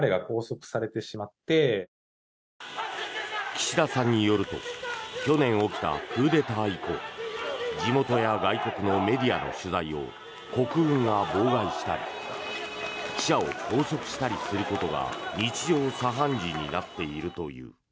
岸田さんによると去年起きたクーデター以降地元や外国のメディアの取材を国軍が妨害したり記者を拘束したりすることが日常茶飯事になっているという。